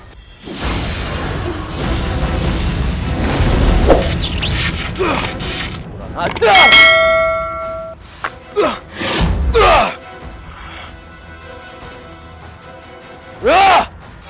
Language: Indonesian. ya aku bersumpah aku bersumpah